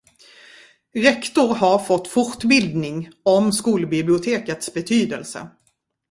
Rektor har fått fortbildning om skolbibliotekets betydelse.